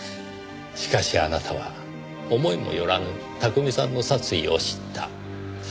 しかしあなたは思いもよらぬ巧さんの殺意を知った。